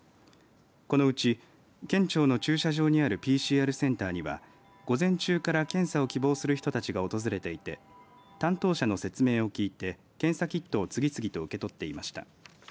このうち県庁の駐車場にあるＰＣＲセンターには午前中から検査を希望する人たちが訪れていて担当者の説明を聞いて検査キットを次々と受け取っていました。